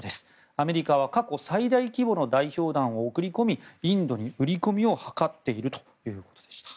アメリカは過去最大規模の代表団を送り込みインドに売り込みを図っているということでした。